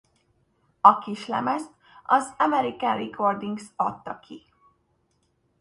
A kislemezt az American Recordings adta ki.